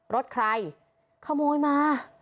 รถใครขโมยมา